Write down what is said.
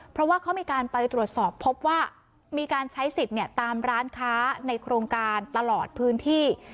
เพราะว่าเขามีการไปตรวจสอบพบว่ามีการใช้สิทธิ์ตามร้านค้าในโครงการตลอดพื้นที่